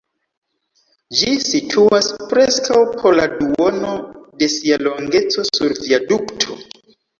Ĝi situas preskaŭ por la duono de sia longeco sur viadukto.